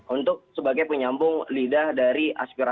untuk sebagai penyambung lidah dari aspirasi